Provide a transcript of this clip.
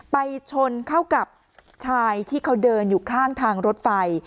ไปชนเข้ากับชายที่เขาเดินอยู่ข้างทางรถไฟ